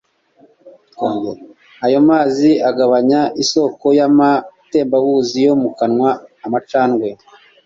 ayo mazi agabanya isoko yamatembabuzi yo mu kanwa amacandwe